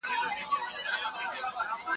سياسي زاويې تاريخ ته زيان اړوي.